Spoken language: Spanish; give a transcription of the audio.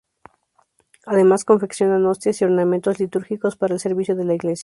Además confeccionan hostias y ornamentos litúrgicos para el servicio de la Iglesia.